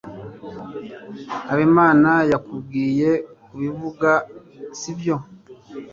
habimana yakubwiye kubivuga, sibyo